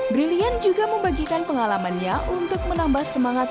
brillian juga membagikan pengalamannya untuk menambah semangat